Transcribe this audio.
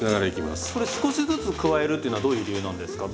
これ少しずつ加えるっていうのはどういう理由なんですか？